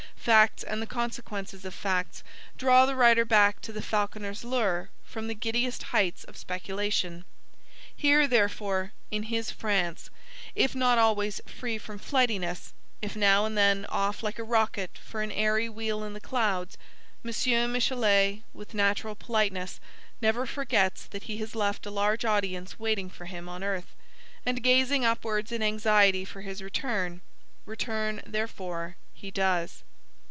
Facts, and the consequences of facts, draw the writer back to the falconer's lure from the giddiest heights of speculation. Here, therefore in his France, if not always free from flightiness, if now and then off like a rocket for an airy wheel in the clouds, M. Michelet, with natural politeness, never forgets that he has left a large audience waiting for him on earth, and gazing upwards in anxiety for his return: return, therefore, he does.